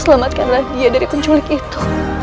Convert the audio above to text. selamatkanlah dia dari penculik itu